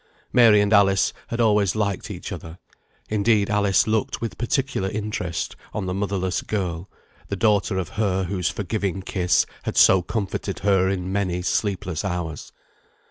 Mary and Alice had always liked each other; indeed, Alice looked with particular interest on the motherless girl, the daughter of her whose forgiving kiss had so comforted her in many sleepless hours.